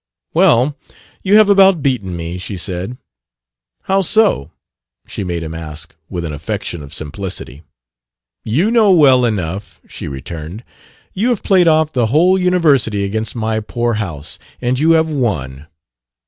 "Well, you have about beaten me," she said. "How so?" she made him ask, with an affectation of simplicity. "You know well enough," she returned. "You have played off the whole University against my poor house, and you have won.